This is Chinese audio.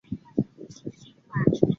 曾祖父郭景昭。